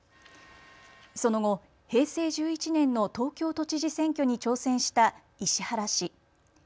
その後、平成１１年の東京都知事選挙に挑戦した石原氏。